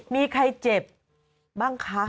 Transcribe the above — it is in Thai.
มีใครเจ็บบ้างคะ